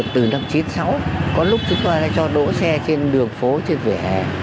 từ năm chín mươi sáu có lúc chúng ta đã cho đỗ xe trên đường phố trên vỉa hè